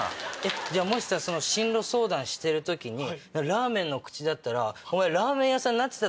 じゃあもし進路相談してる時にラーメンの口だったらラーメン屋さんになってた？